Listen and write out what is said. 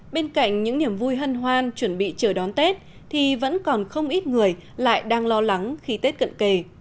bên cạnh những niềm vui hân hoan chuẩn bị chờ đón tết thì vẫn còn không ít người lại đang lo lắng khi tết cận kề